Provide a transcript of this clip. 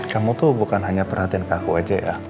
kamu tuh bukan hanya perhatian ke aku aja ya